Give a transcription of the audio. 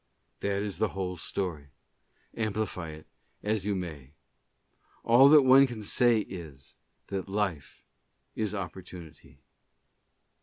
That is the whole story, amplify it as you may. All that one can say is, that life is opportunity.